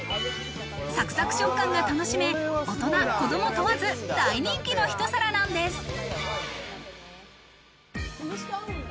サクサク食感が楽しめ大人子供問わず大人気のひと皿なんです。